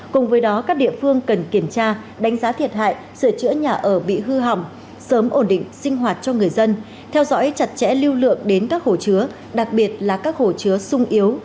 cùng với đó các địa phương cần kiểm tra đánh giá thiệt hại sửa chữa nhà ở bị hư hỏng sớm ổn định sinh hoạt cho người dân theo dõi chặt chẽ lưu lượng đến các hồ chứa đặc biệt là các hồ chứa sung yếu